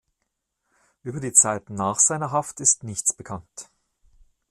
Über die Zeit nach seiner Haft ist nichts bekannt.